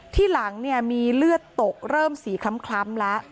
ที่หลังเนี่ยมีเลือดตกเริ่มสีคล้ำแล้ว